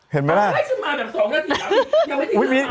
เห็นไหมแล้วอีอืะอืะค่ะส่องนาทียังไม่ได้หาร